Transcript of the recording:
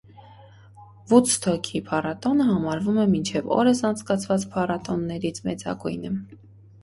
Վուդստոքի փառատոնը համարվում է մինչև օրս անցկացված փառատոններից մեծագույնը։